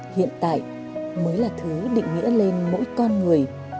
hiện tại mới là thứ định nghĩa lên mỗi con người